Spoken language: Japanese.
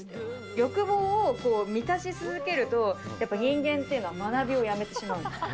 欲望を満たし続けると、やっぱり人間っていうのは、学びをやめてしまうんです。